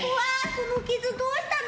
その傷どうしたの？